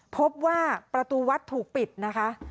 พบว่าประตูวัดถูกปิดนะคะ